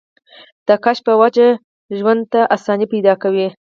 د کشف پۀ وجه ژوند ته اسانۍ پېدا کوي